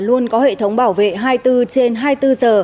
luôn có hệ thống bảo vệ hai mươi bốn trên hai mươi bốn giờ